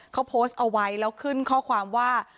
เขาโพสต์เอาไว้แล้วขึ้นข้อความว่า